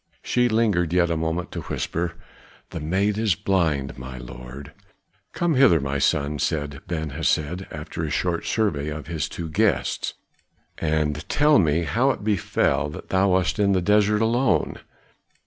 She lingered yet a moment to whisper, "The maid is blind, my lord!" "Come hither, my son," said Ben Hesed after a short survey of his two guests, "and tell me how it befell that thou wast in the desert alone?